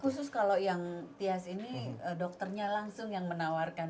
khusus kalau yang tias ini dokternya langsung yang menawarkan